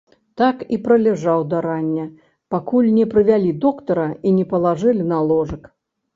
Так і праляжаў да рання, пакуль не прывялі доктара і не палажылі на ложак.